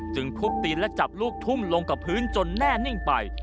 ทุบตีและจับลูกทุ่มลงกับพื้นจนแน่นิ่งไป